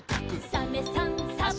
「サメさんサバさん」